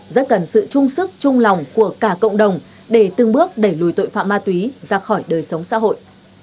rất cần sự trung sức trung lòng của cả cộng đồng để từng bước đẩy lùi tội phạm ma túy ra khỏi đời sống xã hội